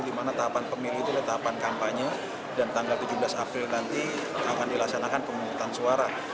di mana tahapan pemilu itu adalah tahapan kampanye dan tanggal tujuh belas april nanti akan dilaksanakan pemungutan suara